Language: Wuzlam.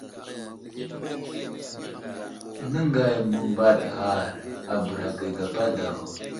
Nəŋga məmbaɗ ghar a bəra ge gapa daw.